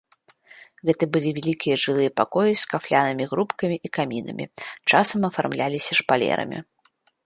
Гэта былі вялікія жылыя пакоі з кафлянымі грубкамі і камінамі, часам афармляліся шпалерамі.